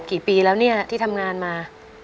กี่ปีแล้วเนี่ยที่ทำงานมา